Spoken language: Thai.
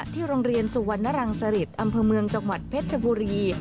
ที่โรงเรียนสุวรรณรังสริตอำเภอเมืองจังหวัดเพชรชบุรี